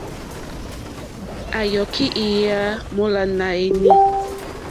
À yɔ̀kí ìtyá mólánè éní.